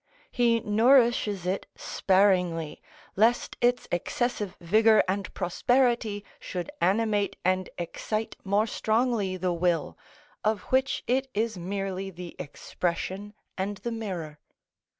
He nourishes it sparingly, lest its excessive vigour and prosperity should animate and excite more strongly the will, of which it is merely the expression and the mirror.